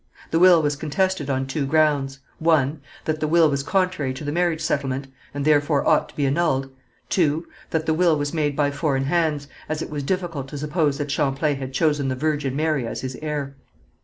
The will was contested on two grounds: (1.) That the will was contrary to the marriage settlement, and therefore ought to be annulled; (2.) That the will was made by foreign hands, as it was difficult to suppose that Champlain had chosen the Virgin Mary as his heir.